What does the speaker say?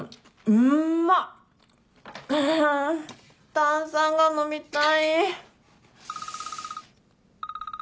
炭酸が飲みたい。